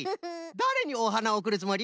だれにおはなをおくるつもり？